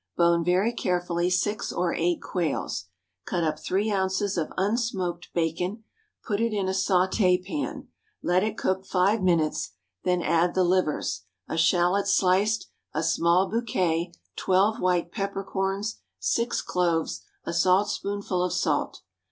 Bone very carefully six or eight quails. Cut up three ounces of unsmoked bacon, put it in a sauté pan, let it cook five minutes, then add the livers, a shallot sliced, a small bouquet, twelve white peppercorns, six cloves, a saltspoonful of salt.